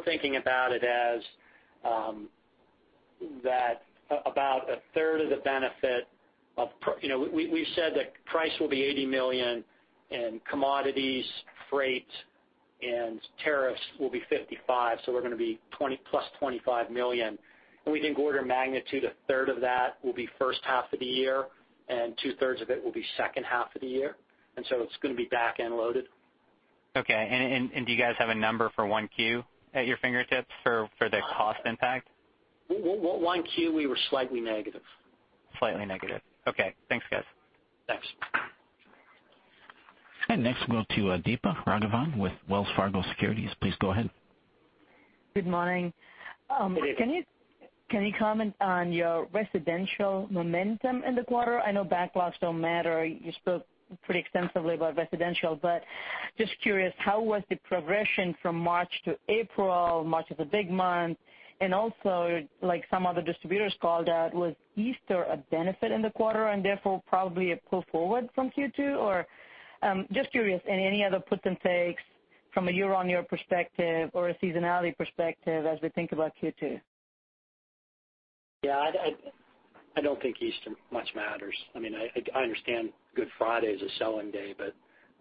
thinking about it as that about a third of the benefit. We've said that price will be $80 million and commodities, freight, and tariffs will be $55 million, so we're going to be +$25 million. We think order of magnitude, a third of that will be first half of the year, and two-thirds of it will be second half of the year. It's going to be back-end loaded. Okay. Do you guys have a number for 1Q at your fingertips for the cost impact? 1Q, we were slightly negative. Slightly negative. Okay, thanks, guys. Thanks. Next, we'll go to Deepa Raghavan with Wells Fargo Securities. Please go ahead. Good morning. Good day. Can you comment on your residential momentum in the quarter? I know backlogs don't matter. You spoke pretty extensively about residential, but just curious, how was the progression from March to April? March was a big month. Also, like some other distributors called out, was Easter a benefit in the quarter and therefore probably a pull forward from Q2? Just curious, and any other puts and takes from a year-on-year perspective or a seasonality perspective as we think about Q2. Yeah, I don't think Easter much matters. I understand Good Friday is a selling day, but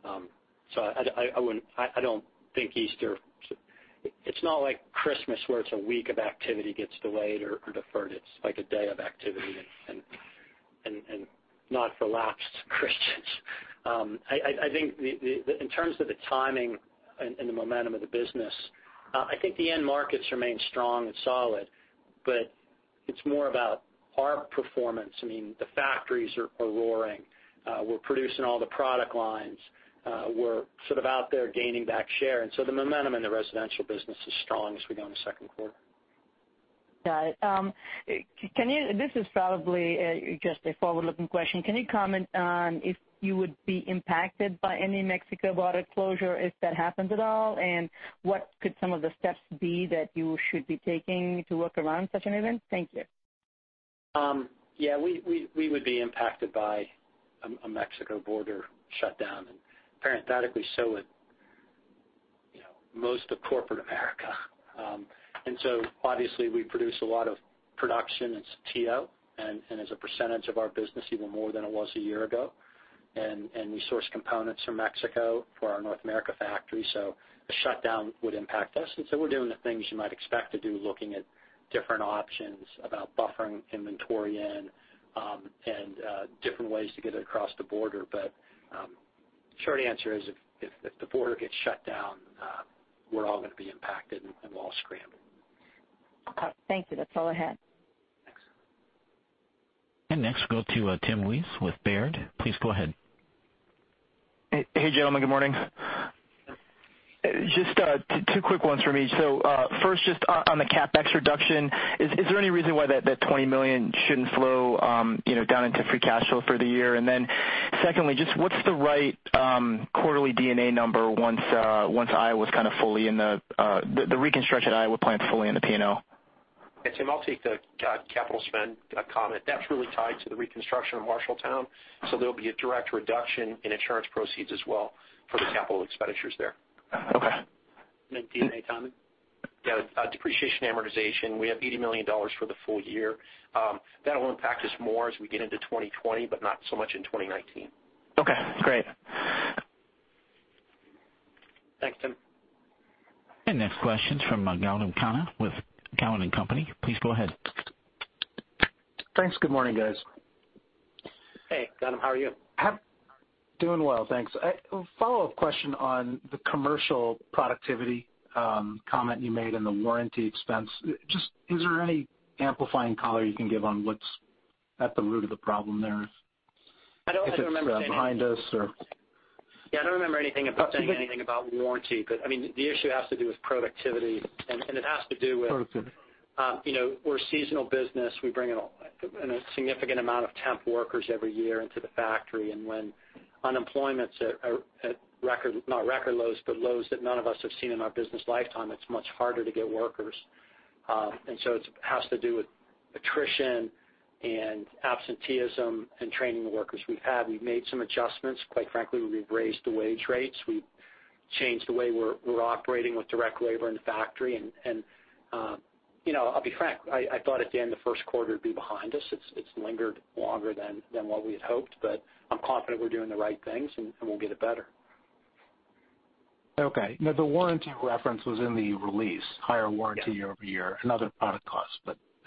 I don't think Easter. It's not like Christmas where it's a week of activity gets delayed or deferred. It's like a day of activity and not for lapsed Christians. I think in terms of the timing and the momentum of the business, I think the end markets remain strong and solid, but it's more about our performance. The factories are roaring. We're producing all the product lines. We're sort of out there gaining back share. The momentum in the residential business is strong as we go in the second quarter. Got it. This is probably just a forward-looking question. Can you comment on if you would be impacted by any Mexico border closure, if that happens at all? What could some of the steps be that you should be taking to work around such an event? Thank you. Yeah, we would be impacted by a Mexico border shutdown, and parenthetically so would most of corporate America. Obviously, we produce a lot of production in Saltillo, and as a percentage of our business, even more than it was a year ago. We source components from Mexico for our North America factory, so the shutdown would impact us. We're doing the things you might expect to do, looking at different options about buffering inventory in and different ways to get it across the border. The short answer is, if the border gets shut down, we're all going to be impacted, and we'll all scramble. Okay. Thank you. That's all I had. Thanks. Next, we'll go to Tim Wojs with Baird. Please go ahead. Hey, gentlemen. Good morning. Just two quick ones for me. First, just on the CapEx reduction, is there any reason why that $20 million shouldn't flow down into free cash flow for the year? Secondly, just what's the right quarterly D&A number once the reconstruction at Iowa plant is fully in the P&L? Yeah, Tim, I'll take the capital spend comment. That's really tied to the reconstruction of Marshalltown, there'll be a direct reduction in insurance proceeds as well for the capital expenditures there. Okay. [Todd], any comment? Yeah. Depreciation amortization, we have $80 million for the full year. That'll impact us more as we get into 2020, but not so much in 2019. Okay, great. Thanks, Tim. Next question's from Gautam Khanna with Cowen and Company. Please go ahead. Thanks. Good morning, guys. Hey, Gautam. How are you? Doing well, thanks. A follow-up question on the commercial productivity comment you made in the warranty expense. Just, is there any amplifying color you can give on what's at the root of the problem there? I don't remember saying anything. if it's behind us or Yeah, I don't remember anything about saying anything about warranty, but, I mean, the issue has to do with productivity, and it has to do with. Productivity We're a seasonal business. We bring in a significant amount of temp workers every year into the factory, and when unemployment's at record lows, but lows that none of us have seen in our business lifetime, it's much harder to get workers. It has to do with attrition and absenteeism and training the workers we have. We've made some adjustments. Quite frankly, we've raised the wage rates. We've changed the way we're operating with direct labor in the factory and, I'll be frank, I thought at the end of the first quarter it'd be behind us. It's lingered longer than what we had hoped, but I'm confident we're doing the right things and we'll get it better. Okay. No, the warranty reference was in the release, higher warranty. Yeah year-over-year and other product costs,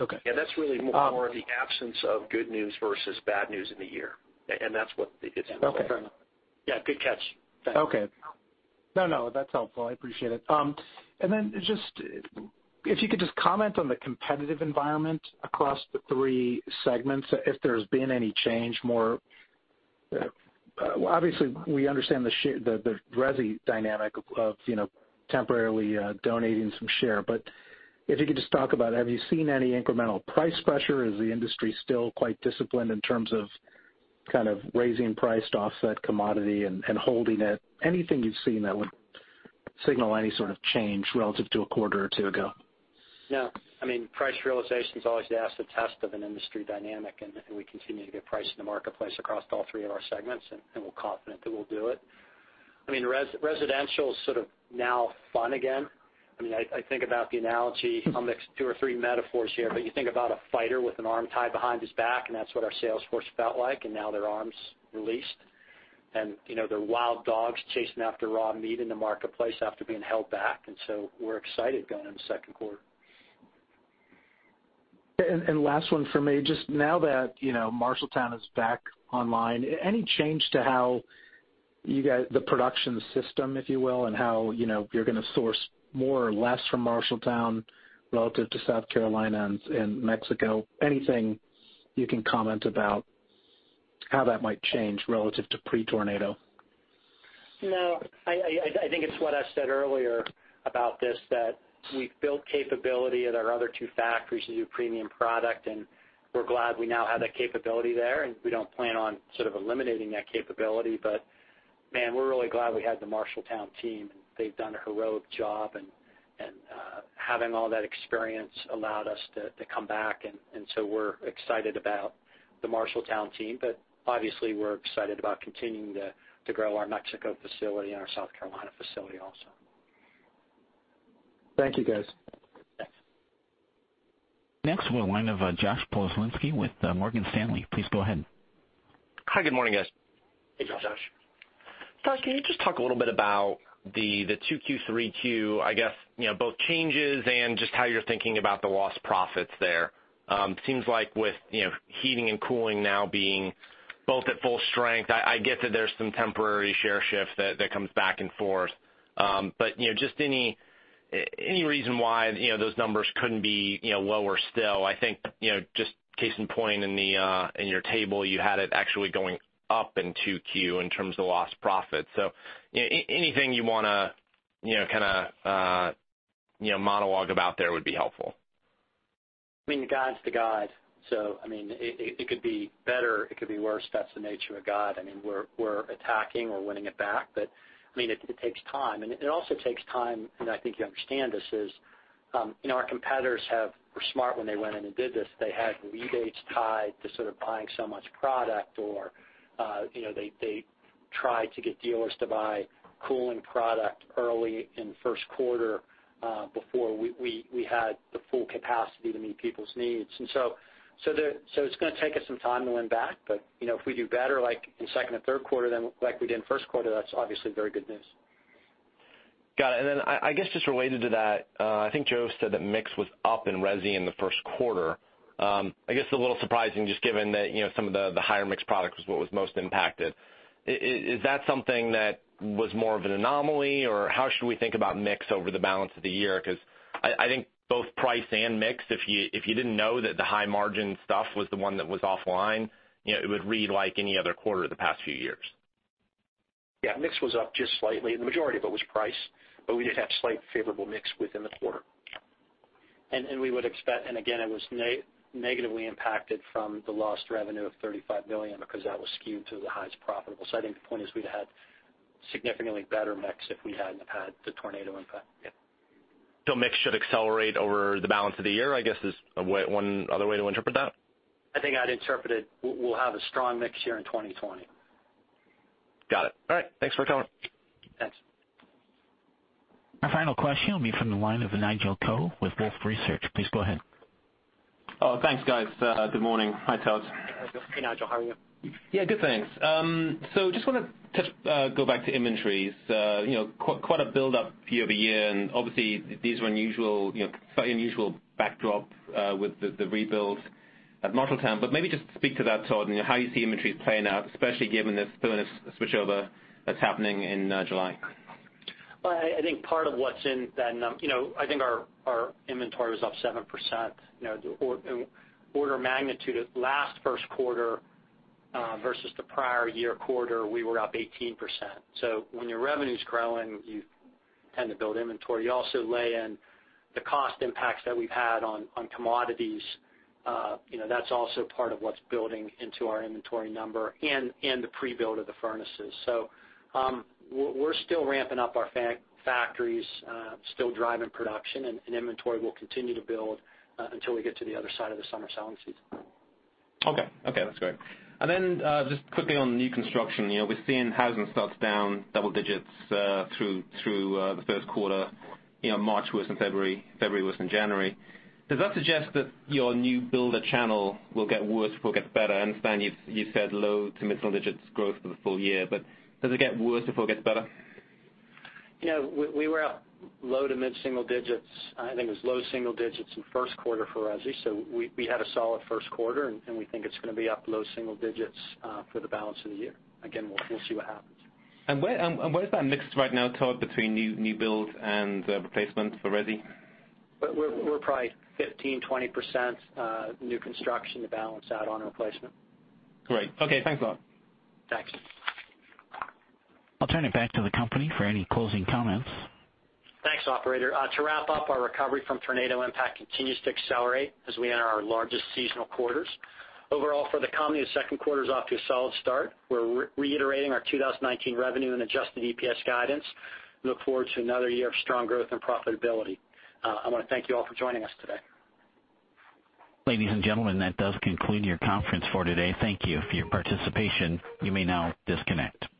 okay. Yeah, that's really more of the absence of good news versus bad news in the year. That's what the difference is. Okay, fair enough. Yeah, good catch. Thanks. No, no, that's helpful. I appreciate it. If you could just comment on the competitive environment across the three segments, if there's been any change more. Obviously we understand the resi dynamic of temporarily donating some share. If you could just talk about, have you seen any incremental price pressure? Is the industry still quite disciplined in terms of kind of raising price to offset commodity and holding it? Anything you've seen that would signal any sort of change relative to a quarter or two ago? No. I mean, price realization's always the acid test of an industry dynamic, and we continue to get price in the marketplace across all three of our segments, and we're confident that we'll do it. I mean, residential is sort of now fun again. I mean, I think about the analogy, I'll mix two or three metaphors here, but you think about a fighter with an arm tied behind his back, and that's what our sales force felt like, and now their arm's released. They're wild dogs chasing after raw meat in the marketplace after being held back. We're excited going into the second quarter. Last one for me. Just now that Marshalltown is back online, any change to how you guys, the production system, if you will, and how you're gonna source more or less from Marshalltown relative to South Carolina and Mexico? Anything you can comment about how that might change relative to pre-tornado? No, I think it's what I said earlier about this, that we've built capability at our other two factories to do premium product, and we're glad we now have that capability there, and we don't plan on sort of eliminating that capability. Man, we're really glad we had the Marshalltown team, and they've done a heroic job and having all that experience allowed us to come back. We're excited about the Marshalltown team, but obviously we're excited about continuing to grow our Mexico facility and our South Carolina facility also. Thank you, guys. Thanks. We'll go line of Josh Pokrzywinski with Morgan Stanley. Please go ahead. Hi, good morning, guys. Hey, Josh. Josh, can you just talk a little bit about the 2Q3Q, I guess, both changes and just how you're thinking about the lost profits there? Seems like with heating and cooling now being both at full strength, I get that there's some temporary share shift that comes back and forth. But just any reason why those numbers couldn't be lower still? I think, just case in point in your table, you had it actually going up in 2Q in terms of lost profit. Anything you wanna kinda monologue about there would be helpful. I mean, the guide's the guide, I mean, it could be better, it could be worse. That's the nature of guide. I mean, we're attacking, we're winning it back, but I mean, it takes time. It also takes time, and I think you understand this, is our competitors were smart when they went in and did this. They had rebates tied to sort of buying so much product or they tried to get dealers to buy cooling product early in first quarter, before we had the full capacity to meet people's needs. It's gonna take us some time to win back, but if we do better in second and third quarter than like we did in first quarter, that's obviously very good news. Got it. I guess just related to that, I think Joe said that mix was up in resi in the first quarter. I guess a little surprising just given that some of the higher mix product was what was most impacted. Is that something that was more of an anomaly, or how should we think about mix over the balance of the year? I think both price and mix, if you didn't know that the high margin stuff was the one that was offline, it would read like any other quarter of the past few years. Yeah. Mix was up just slightly. The majority of it was price, but we did have slight favorable mix within the quarter. We would expect, it was negatively impacted from the lost revenue of $35 million because that was skewed to the highest profitable. I think the point is we'd have had significantly better mix if we hadn't have had the tornado impact. Mix should accelerate over the balance of the year, I guess, is one other way to interpret that? I think I'd interpret it, we'll have a strong mix here in 2020. Got it. All right, thanks for calling. Thanks. Our final question will be from the line of Nigel Coe with Wolfe Research. Please go ahead. Oh, thanks, guys. Good morning. Hi, Todd. Hey, Nigel. How are you? Yeah, good, thanks. Just want to go back to inventories. Quite a build-up year-over-year, and obviously these are unusual backdrop with the rebuild at Marshalltown. Maybe just speak to that, Todd, and how you see inventories playing out, especially given this furnace switchover that's happening in July. I think our inventory was up 7%. Order of magnitude at last first quarter versus the prior year quarter, we were up 18%. When your revenue's growing, you tend to build inventory. You also lay in the cost impacts that we've had on commodities. That's also part of what's building into our inventory number and the pre-build of the furnaces. We're still ramping up our factories, still driving production, and inventory will continue to build until we get to the other side of the summer selling season. That's great. Just quickly on new construction, we're seeing housing starts down double digits through the first quarter. March worse than February worse than January. Does that suggest that your new builder channel will get worse before it gets better? I understand you said low to mid-single digits growth for the full year, does it get worse before it gets better? We were up low to mid-single digits. I think it was low single digits in first quarter for resi. We had a solid first quarter, and we think it's going to be up low single digits for the balance of the year. We'll see what happens. Where is that mix right now, Todd, between new builds and replacement for resi? We're probably 15%-20% new construction to balance out on replacement. Great. Okay, thanks a lot. Thanks. I'll turn it back to the company for any closing comments. Thanks, operator. To wrap up, our recovery from tornado impact continues to accelerate as we enter our largest seasonal quarters. Overall for the company, the second quarter's off to a solid start. We're reiterating our 2019 revenue and adjusted EPS guidance. We look forward to another year of strong growth and profitability. I want to thank you all for joining us today. Ladies and gentlemen, that does conclude your conference for today. Thank you for your participation. You may now disconnect.